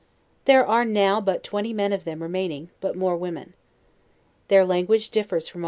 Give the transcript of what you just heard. There are now but twenty men of them j remaining, but more women. Their language differs from